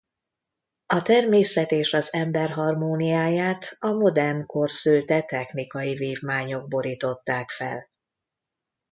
A természet és az ember harmóniáját a modern kor szülte technikai vívmányok borították fel.